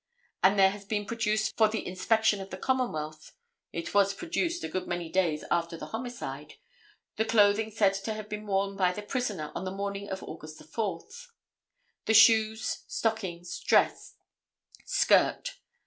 And there has been produced for the inspection of the Commonwealth—it was produced a good many days after the homicide—the clothing said to have been worn by the prisoner on the morning of August 4—the shoes, stockings, dress, skirt.